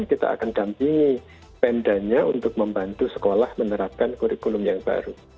kita akan dampingi pemdanya untuk membantu sekolah menerapkan kurikulum yang baru